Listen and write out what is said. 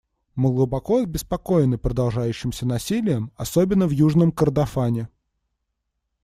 Мы глубоко обеспокоены продолжающимся насилием, особенно в Южном Кордофане.